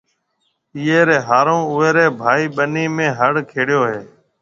ايئي ريَ هارو اُوئي ريَ ڀائي ٻنِي ۾ هڙ کيڙيو هيَ۔